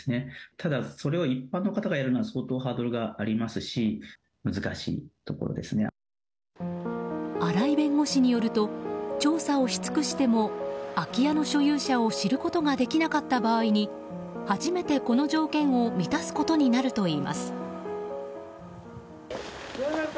ただそれを一般の方がやるにはハードルがありますし荒井弁護士によると調査をし尽しても空き家の所有者を知ることができなかった場合に初めてこの条件を満たすことになるといいます。